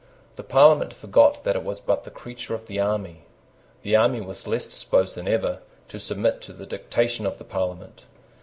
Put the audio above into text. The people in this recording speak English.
The Parliament forgot that it was but the creature of the army. The army was less disposed than ever to submit to the dictation of the Parliament.